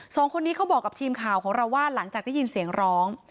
สองคนนี้เขาบอกกับทีมข่าวของเราว่าหลังจากได้ยินเสียงร้อง